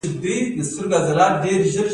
ګټه باید چا ته ورسي؟